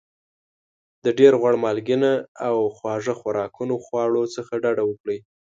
د ډېر غوړ مالګېنه او خواږه خوراکونو خواړو څخه ډاډه وکړئ.